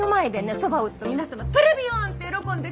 そばを打つと皆様トレビアン！って喜んでくださるの。